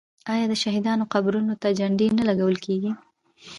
آیا د شهیدانو قبرونو ته جنډې نه لګول کیږي؟